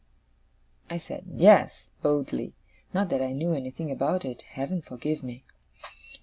I said, 'Yes,' boldly; not that I knew anything about it, Heaven forgive me!